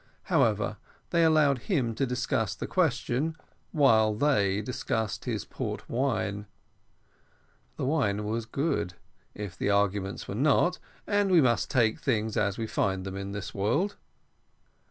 However, they allowed him to discuss the question, while they discussed his port wine. The wine was good, if the arguments were not, and we must take things as we find them in this world.